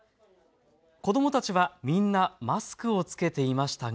子どもたちはみんなマスクを着けていましたが。